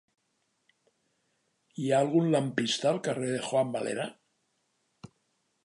Hi ha algun lampista al carrer de Juan Valera?